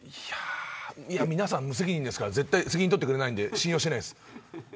皆さん、無責任ですから絶対責任取ってくれないんで信用していないです。